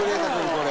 これ」